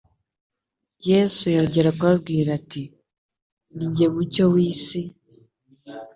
Yesu yongera kubabwira ati : Ninjye mucyo w'isi;